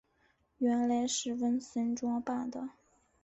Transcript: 原来是文森装扮的。